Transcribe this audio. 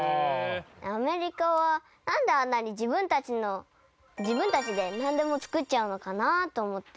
アメリカはなんであんなに自分たちの自分たちでなんでも作っちゃうのかなと思って。